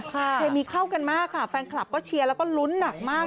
เคมีเข้ากันมากค่ะแฟนคลับก็เชียร์แล้วก็ลุ้นหนักมาก